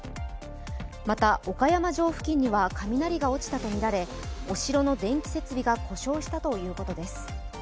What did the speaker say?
また、岡山城付近には雷がおちたとみられお城の電気設備が故障したということです。